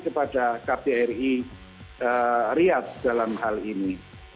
kepada kdri riyadh dalam hal ini